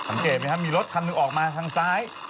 สังเกตไหมครับมีรถคันหนึ่งออกมาทางซ้าย